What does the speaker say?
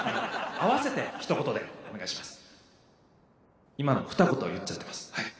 合わせてひと言でお願いします！